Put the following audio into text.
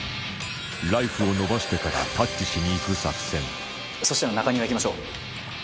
ライフを延ばしてからタッチしに行く作戦そしたら中庭行きましょう。